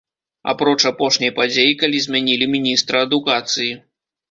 Апроч апошняй падзеі, калі замянілі міністра адукацыі.